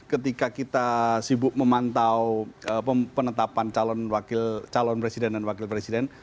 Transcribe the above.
ketika kita sibuk memantau penetapan calon presiden dan wakil presiden